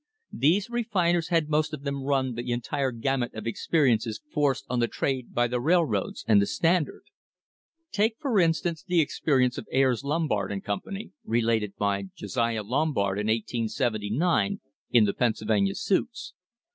These refiners had most of them run the entire gamut of experiences forced on the trade by the railroads and the Standard. Take, for instance, the experience of Ayres, Lombard and Company, related by Josiah Lombard in 1879 in the Pennsylvania suits.